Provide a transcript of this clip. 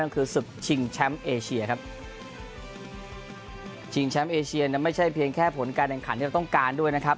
ก็คือศึกชิงแชมป์เอเชียครับชิงแชมป์เอเชียนั้นไม่ใช่เพียงแค่ผลการแข่งขันที่เราต้องการด้วยนะครับ